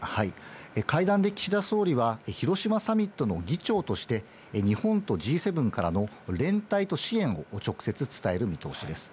会談で岸田総理は、広島サミットの議長として、日本とＧ７からの連帯と支援を直接伝える見通しです。